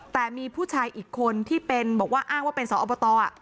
แต่มีผู้ชายอีกคนที่เป็นบอกว่าอ้างว่าเป็นสอบต